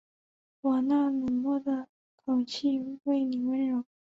我那冷漠的口气为妳温柔